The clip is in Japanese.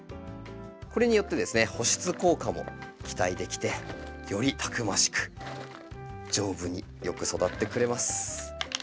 これによって保湿効果も期待できてよりたくましく丈夫によく育ってくれます。